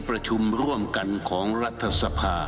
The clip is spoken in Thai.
ปล่อยให้อนาคตของประเทศ